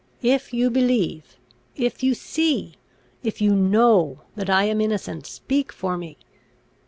If you believe if you see if you know, that I am innocent, speak for me.